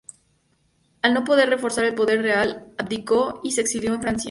Al no poder reforzar el poder real, abdicó y se exilió en Francia.